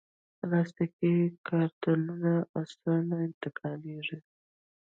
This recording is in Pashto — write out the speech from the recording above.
پلاستيکي کارتنونه اسانه انتقالېږي.